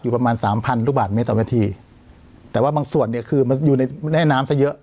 ประมาณสามพันลูกบาทเมตรต่อนาทีแต่ว่าบางส่วนเนี่ยคือมันอยู่ในแม่น้ำซะเยอะ